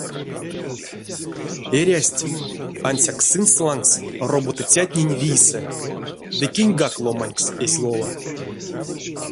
Эрясть ансяк сынст лангс роботыцятнень вийсэ ды киньгак ломанькс эзть лово.